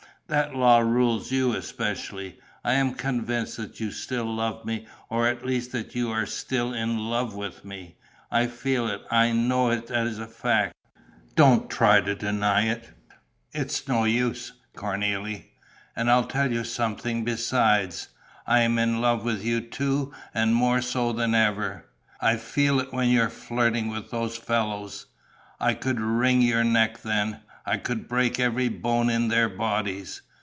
That law rules you especially. I am convinced that you still love me, or at least that you are still in love with me. I feel it, I know it as a fact: don't try to deny it. It's no use, Cornélie. And I'll tell you something besides: I am in love with you too and more so than ever. I feel it when you're flirting with those fellows. I could wring your neck then, I could break every bone in their bodies....